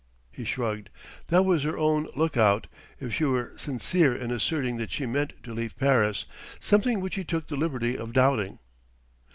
He shrugged: that was her own look out if she were sincere in asserting that she meant to leave Paris; something which he took the liberty of doubting.